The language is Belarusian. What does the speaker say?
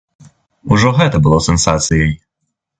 Ужо гэта было сенсацыяй.